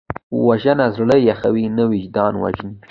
وژنه زړه یخوي نه، وجدان وژني